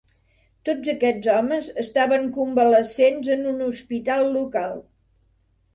Tots aquests homes estaven "convalescents" en un hospital local.